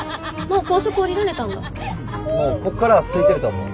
うんもうここからはすいてると思う。